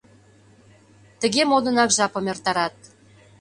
Тыге модынак жапым эртарат.